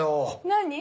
何？